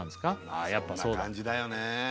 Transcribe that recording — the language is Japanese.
ああやっぱそうだそんな感じだよね